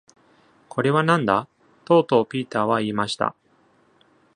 「これは何だ?」とうとうピーターは言いました。